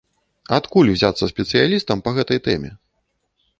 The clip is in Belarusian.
Адкуль узяцца спецыялістам па гэтай тэме?